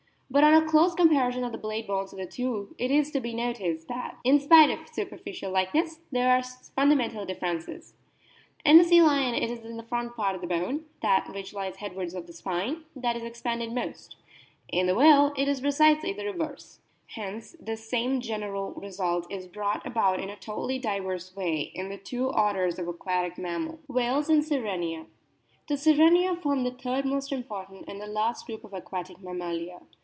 But on a close comparison of the blade bones of the two it is to be noticed that, in spite of superficial like ness, there are fundamental differences. In the sea lion it is the front part of the bone, that which lies headwards of the spine, that is expanded most ; 90 A BOOK OF WHALES in the whale it is precisely the reverse. Hence the same general result is brought about in a totally diverse way in the two orders of aquatic mammals. WHALES AND SIRENIA The Sirenia form the third most important and the last group of aquatic mammalia.